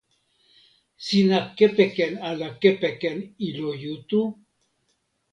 sina kepeken ala kepeken ilo Jutu?